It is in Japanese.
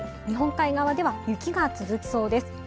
日本海側では雪が続きそうです。